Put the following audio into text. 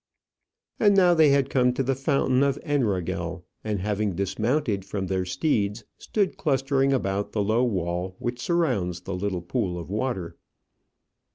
And now they had come to the fountain of Enrogel, and having dismounted from their steeds, stood clustering about the low wall which surrounds the little pool of water.